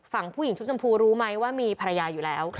ฝั่งผู้หญิงชุดชมพูรู้ไหมว่ามีภรรยาอยู่แล้ว